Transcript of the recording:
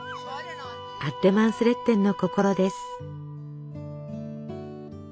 アッレマンスレッテンの心です。